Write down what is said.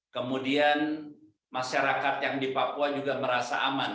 kemudian masyarakat yang di papua juga merasa aman